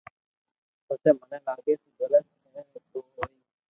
پسي مني لاگي تو غلط ھي تو ھوئي